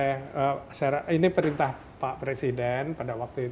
tidak pernah menurut saya sama sekali